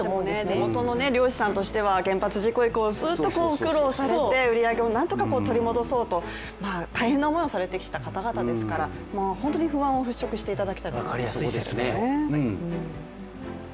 地元の漁師さんとしては原発事故以降ずっとご苦労をされて売り上げを何とか取り戻そうと大変な思いをしてきた方々ですから本当に不安を払拭していただきたいと思いますね。